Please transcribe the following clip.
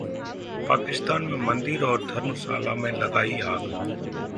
पाकिस्तान में मंदिर और धर्मशाला में लगाई आग